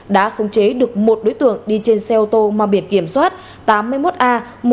đã không chế được một đối tượng đi trên xe ô tô ma biển kiểm soát tám mươi một a một mươi bảy nghìn bốn trăm chín mươi sáu